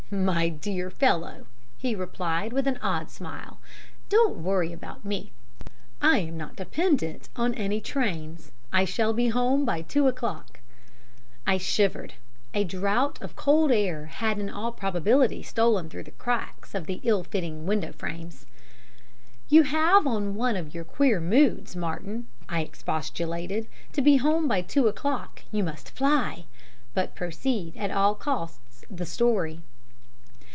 "My dear fellow," he replied, with an odd smile, "don't worry about me. I am not dependent on any trains. I shall be home by two o'clock." I shivered a draught of cold air had in all probability stolen through the cracks of the ill fitting window frames. "You have on one of your queer moods, Martin," I expostulated. "To be home by two o'clock you must fly! But proceed at all costs, the story."